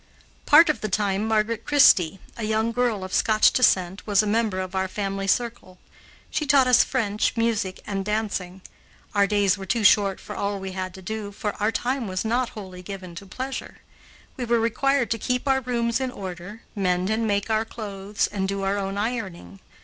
Part of the time Margaret Christie, a young girl of Scotch descent, was a member of our family circle. She taught us French, music, and dancing. Our days were too short for all we had to do, for our time was not wholly given to pleasure. We were required to keep our rooms in order, mend and make our clothes, and do our own ironing.